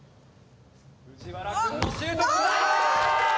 藤原くんのシュート。